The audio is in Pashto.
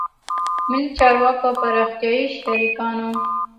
ملي چارواکو او پراختیایي شریکانو